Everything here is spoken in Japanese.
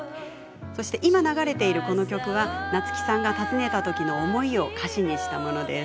今、流れている曲は夏木さんが訪ねたときの思いを歌詞にしたものです。